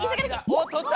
おっとった！